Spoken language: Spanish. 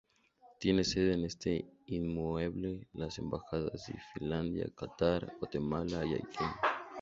Tienen sede en este inmueble las embajadas de Finlandia, Catar, Guatemala y Haití.